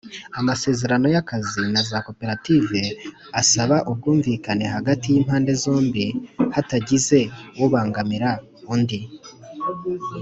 amasezerano y akazi na za Koperative asaba ubwumvikane hagati yi mpande zombi hatagize ubanagamira undi